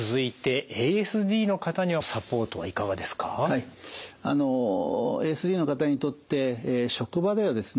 はいあのＡＳＤの方にとって職場ではですね